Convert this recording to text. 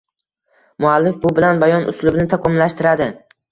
Muallif bu bilan bayon uslubini takomillashtiradi